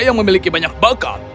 yang memiliki banyak bakat